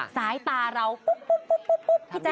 สายตาเราปุ๊บพี่แจ